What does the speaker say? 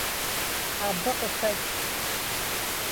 Абы къыхэкӀ.